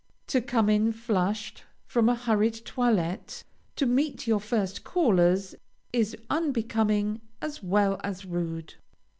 To come in, flushed from a hurried toilette, to meet your first callers, is unbecoming as well as rude.